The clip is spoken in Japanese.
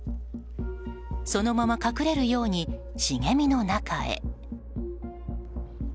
そのまま隠れるように茂みの中へ。